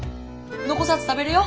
残さず食べれよ！